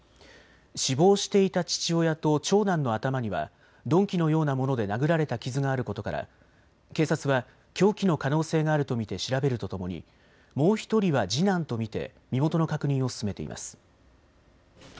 死亡していた父親と長男の頭には鈍器のようなもので殴られた傷があることから警察は凶器の可能性ががあると見て調べるとともにもう１人は次男と見て身元の確認を進めています。